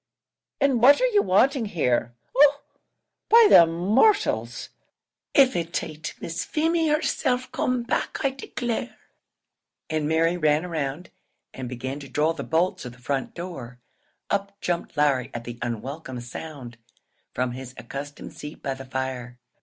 and what are ye wanting here? Oh! by the mortials, but av it aint Miss Feemy herself come back I declare!" And Mary ran round, and began to draw the bolts of the front door. Up jumped Larry at the unwelcome sound, from his accustomed seat by the fire.